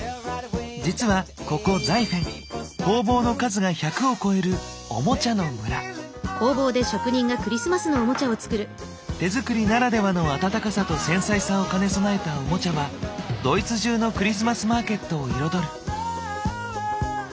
実はここザイフェン工房の数が１００を超える手作りならではの温かさと繊細さを兼ね備えたオモチャはドイツ中のクリスマスマーケットを彩る。